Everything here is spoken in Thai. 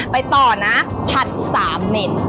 ไปต่อนะผัด๓เม็ด